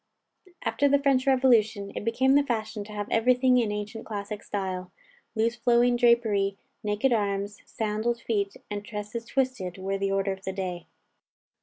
After the French revolution, it became the fashion to have everything in ancient classic style. Loose flowing drapery, naked arms, sandaled feet, and tresses twisted, were the order of the day.